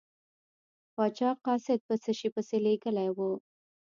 پاچا قاصد په څه شي پسې لیږلی و.